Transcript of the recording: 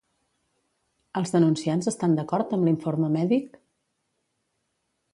Els denunciants estan d'acord amb l'informe mèdic?